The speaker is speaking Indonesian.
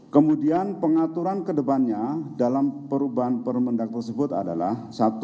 kemudian pengaturan kedepannya dalam perubahan permendak tersebut adalah satu